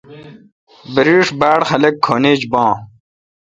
بریش باڑ خاق کھن ایج بان۔